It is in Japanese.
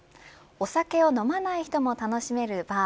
お酒を飲まない人も楽しめるバー。